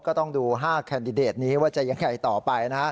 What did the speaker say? ก็ต้องดู๕แคนดิเดตนี้ว่าจะยังไงต่อไป